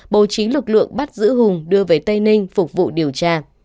bố trí lực lượng bắt giữ hùng đưa về tây ninh phục vụ điều tra